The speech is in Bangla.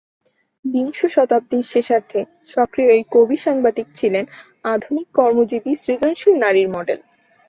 বিংশ শতাব্দীর শেষার্ধে সক্রিয় এই কবি-সাংবাদিক ছিলেন আধুনিক কর্মজীবী সৃজনশীল নারীর মডেল।